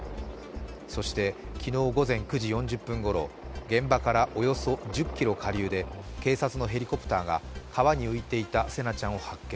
そして昨日午前９時４０分ごろ、現場からおよそ１０ｋｍ下流で、警察のヘリコプターが川に浮いていた聖凪ちゃんを発見。